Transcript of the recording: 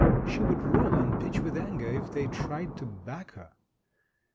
She would roll and pitch with anger if they tried to back her.